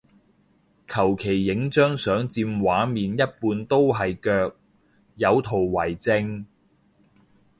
求其影張相佔畫面一半都係腳，有圖為證